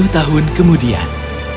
sepuluh tahun kemudian